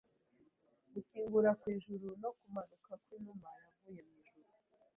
Gukinguka kw’ijuru no kumanuka kw’inuma yavuye mu ijuru,